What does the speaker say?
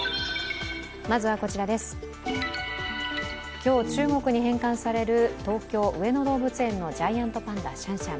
今日、中国に返還される東京・上野動物園のジャイアントパンダシャンシャン。